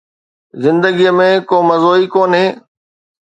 زندگيءَ ۾ ڪو مزو ئي ڪونهي